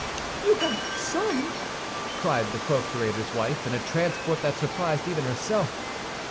"You have some!" cried the procurator's wife, in a transport that surprised even herself.